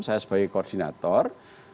saya sebagai koordinator